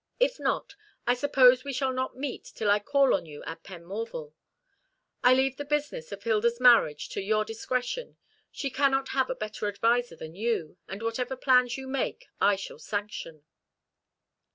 If not, I suppose we shall not meet till I call on you at Penmorval. I leave the business of Hilda's marriage to your discretion. She cannot have a better adviser than you, and whatever plans you make I shall sanction."